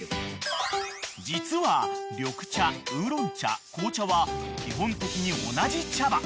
［実は緑茶烏龍茶紅茶は基本的に同じ茶葉］